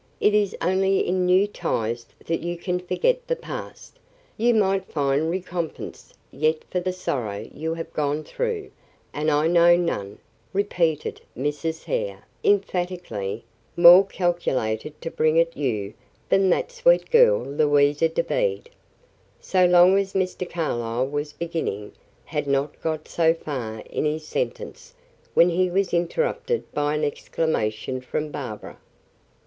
It is only in new ties that you can forget the past. You might find recompense yet for the sorrow you have gone through; and I know none," repeated Mrs. Hare, emphatically, "more calculated to bring it you than that sweet girl, Louisa Dobede." "So long as " Mr. Carlyle was beginning, and had not got so far in his sentence, when he was interrupted by an exclamation from Barbara.